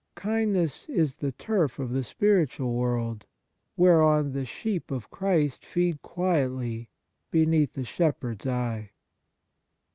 Kindness is the turf of the spiritual world, whereon the sheep of Christ feed quietly beneath the Shepherd's eye.